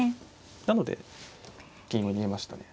なので銀を逃げましたね。